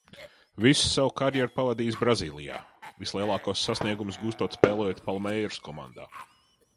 "Visu savu karjeru pavadījis Brazīlijā, vislielākos sasniegumus gūstot, spēlējot "Palmeiras" komandā."